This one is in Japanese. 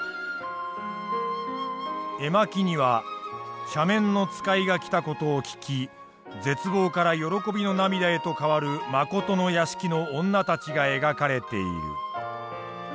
絵巻には赦免の使いが来た事を聞き絶望から喜びの涙へと変わる信の屋敷の女たちが描かれている。